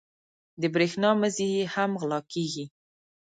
د برېښنا مزي یې هم غلا کېږي.